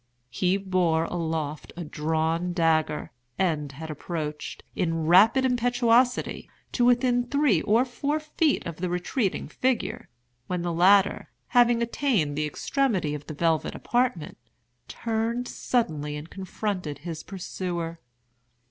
He bore aloft a drawn dagger, and had approached, in rapid impetuosity, to within three or four feet of the retreating figure, when the latter, having attained the extremity of the velvet apartment, turned suddenly and confronted his pursuer.